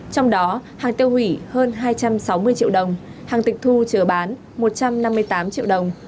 trong đó hàng tiêu hủy hơn hai trăm sáu mươi triệu đồng hàng tịch thu chờ bán một trăm năm mươi tám triệu đồng